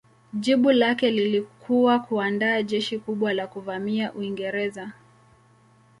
Jibu lake lilikuwa kuandaa jeshi kubwa la kuvamia Uingereza.